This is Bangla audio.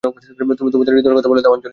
তুমি তোমার হৃদয়ের কথা বলে দাও আঞ্জলি।